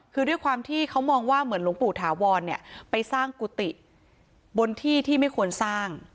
คือด้วยความที่เขามองว่าเหมือนหลวงปู่ถาวรเนี่ยไปสร้างกุฏิบนที่ที่ไม่ควรสร้าง